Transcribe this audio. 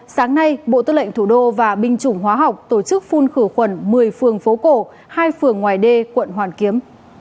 sáng nay bộ tư lệnh thủ đô và binh chủng hóa học tổ chức phun khử khuẩn một mươi phường phố cổ hai phường ngoài đê quận hoàn kiếm